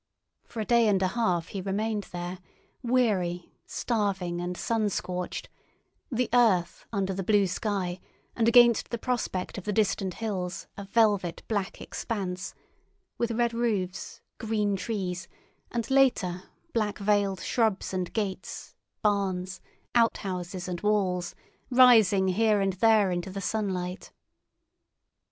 For a day and a half he remained there, weary, starving and sun scorched, the earth under the blue sky and against the prospect of the distant hills a velvet black expanse, with red roofs, green trees, and, later, black veiled shrubs and gates, barns, outhouses, and walls, rising here and there into the sunlight.